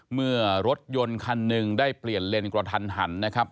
เมื่อรถยนต์คันหนึ่งได้เปลี่ยนเลนกระทันหันนะครับ